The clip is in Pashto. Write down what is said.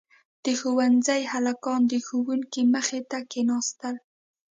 • د ښونځي هلکان د ښوونکي مخې ته کښېناستل.